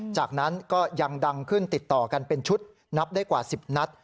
จากนั้นก็ยังดังขึ้นติดต่อกันเป็นชุดนับได้กว่า๑๐นัด